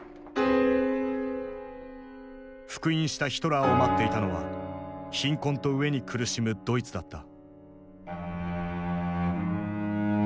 復員したヒトラーを待っていたのは貧困と飢えに苦しむドイツだった。